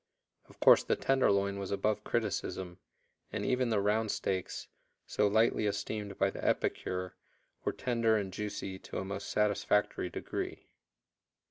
Of course the tenderloin was above criticism, and even the round steaks, so lightly esteemed by the epicure, were tender and juicy to a most satisfactory degree.